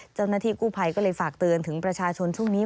เจ้าหน้าที่กู้ภัยก็เลยฝากเตือนถึงประชาชนช่วงนี้